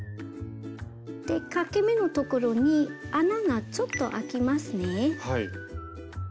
でかけ目のところに穴がちょっとあきますね。